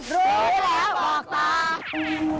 รู้แล้วบอกต่อ